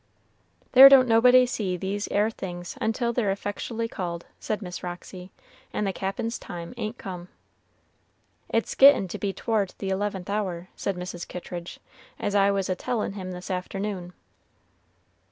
"There don't nobody see these 'ere things unless they's effectually called," said Miss Roxy, "and the Cap'n's time ain't come." "It's gettin' to be t'ward the eleventh hour," said Mrs. Kittridge, "as I was a tellin' him this afternoon."